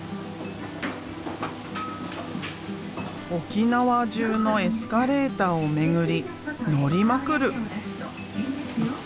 沖縄中のエスカレーターを巡り乗りまくる。